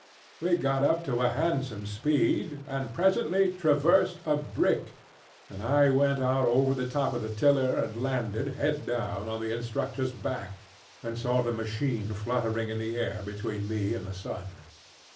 We got up a handsome speed, and presently traversed a brick, and I went out over the top of the tiller and landed, head down, on the instructorŌĆÖs back, and saw the machine fluttering in the air between me and the sun.